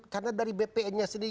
karena dari bpn nya sendiri